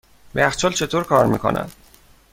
یخچال چطور کار میکند؟